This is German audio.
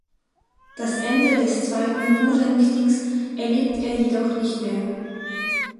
Das Ende des zweiten Burenkriegs erlebt er jedoch nicht mehr.